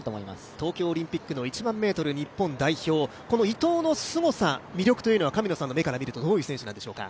東京オリンピックの１００００ｍ日本代表、この伊藤のすごさ、魅力というのは神野さんの目から見て、どういう選手でしょうか？